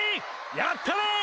やったれ！